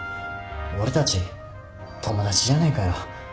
俺たち友達じゃねえかよ